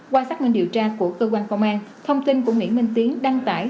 qua xác minh điều tra của cơ quan công an thông tin của nguyễn minh tiến đăng tải